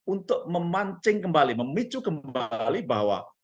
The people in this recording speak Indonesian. untuk memancing kembali memicu kembali bahwa